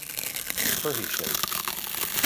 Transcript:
Cuirfidh sé.